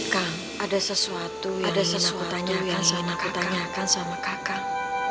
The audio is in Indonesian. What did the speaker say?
kang ada sesuatu yang ingin aku tanyakan sama kakak